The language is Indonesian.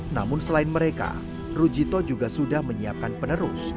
namun selain mereka rujito juga sudah menyiapkan penerus